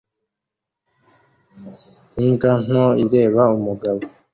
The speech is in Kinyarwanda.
Imbwa nto ireba umugabo